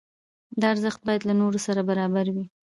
دا ارزښت باید له نورو سره برابر وي.